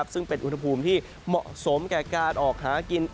ซึ่งเป็นอุณหภูมิที่เหมาะสมแก่การออกหากิน